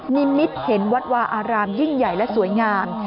นิมิตเห็นวัดวาอารามยิ่งใหญ่และสวยงาม